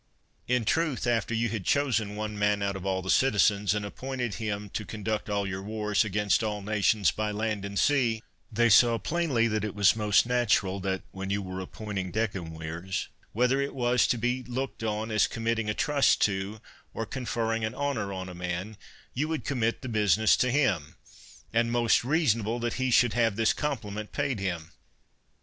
In truth, after you had chosen one man out of all the citizens, and appointed him to conduct all your wars against all nations by land and sea, they saw plainly that it was most natural that, when you were appointing decem virs, whether it was to be looked on as commit ting a trust to, or conferring an honor on a man, you would commit the business to him, and most reasonable that he should have this compliment paid him.